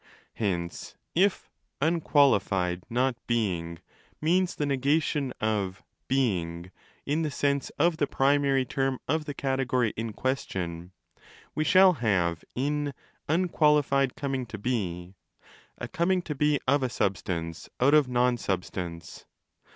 Hence, if 'unqualified not being' means the negation of 'being' in the sense of the primary term of the Category in question, we shall have, in 'unqualified coming to be', a coming to be of a substance out of not substance.